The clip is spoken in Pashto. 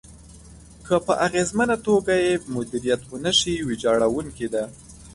که په اغېزمنه توګه يې مديريت ونشي، ويجاړونکې ده.